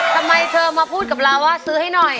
ทำไมเธอมาพูดกับเราว่าซื้อให้หน่อย